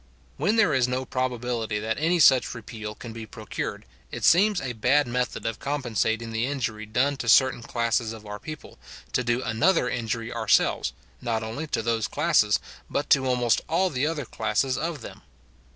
When there is no probability that any such repeal can be procured, it seems a bad method of compensating the injury done to certain classes of our people, to do another injury ourselves, not only to those classes, but to almost all the other classes of them.